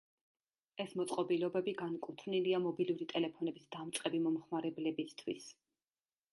ეს მოწყობილობები განკუთვნილია მობილური ტელეფონების დამწყები მომხმარებლებისთვის.